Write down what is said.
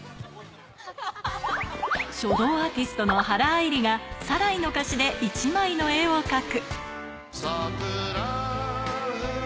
書道アーティストの原愛梨が、『サライ』の歌詞で１枚の絵を描く。